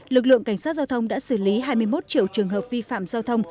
lực lượng cảnh sát giao thông đã xử lý hai mươi một triệu trường hợp vi phạm giao thông